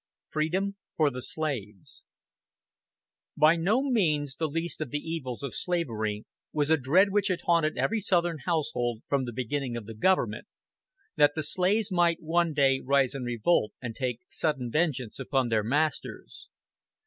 FREEDOM FOR THE SLAVES By no means the least of the evils of slavery was a dread which had haunted every southern household from the beginning of the government that the slaves might one day rise in revolt and take sudden vengeance upon their masters.